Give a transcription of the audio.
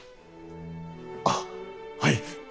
あっはい。